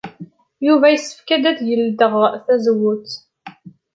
Yuba yessefk ad yeldey tazewwut?